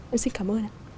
em xin cảm ơn ạ